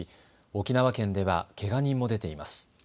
沖縄県ではけが人も出ています。